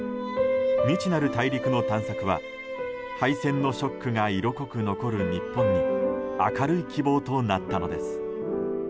未知なる大陸の探索は敗戦のショックが色濃く残る日本に明るい希望となったのです。